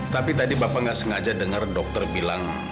tapi tadi bapak nggak sengaja dengar dokter bilang